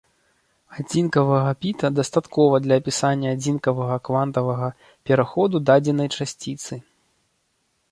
Адзінкавага біта дастаткова для апісання адзінкавага квантавага пераходу дадзенай часціцы.